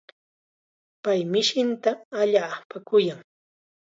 Pay mishinta allaapam kuyan.